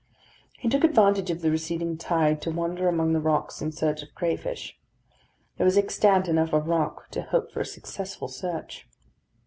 He took advantage of the receding tide to wander among the rocks in search of crayfish. There was extent enough of rock to hope for a successful search.